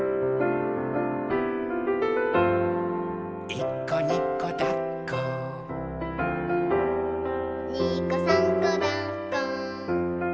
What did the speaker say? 「いっこにこだっこ」「にこさんこだっこ」